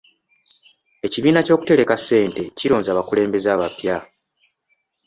Ekibiina ky'okutereka ssente kironze abakulembeze abapya.